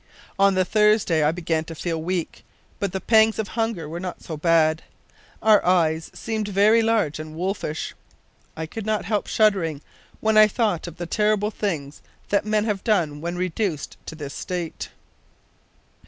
On the Thursday I began to feel weak, but the pangs of hunger were not so bad. Our eyes seemed very large and wolfish. I could not help shuddering when I thought of the terrible things that men have done when reduced to this state.